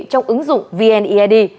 trong ứng dụng vned